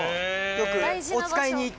よく。